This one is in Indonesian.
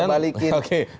jangan jangan kita balikin